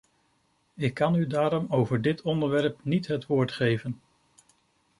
Ik kan u daarom over dit onderwerp niet het woord geven.